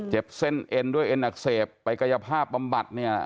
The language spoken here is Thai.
เจ็บเส้นเอ็นด้วยเอ็นอักเสบปริกรยภาพประมบัติ